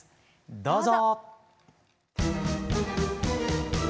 どうぞ。